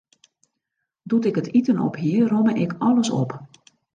Doe't ik it iten op hie, romme ik alles op.